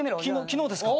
昨日ですか。